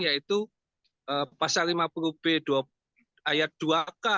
yaitu pasal lima puluh b ayat dua k